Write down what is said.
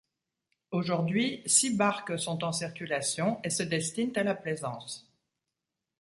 Aujourd'hui, six barques sont en circulation et se destinent à la plaisance.